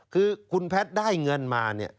คือคุณแพทย์ได้เงินมาเนี่ย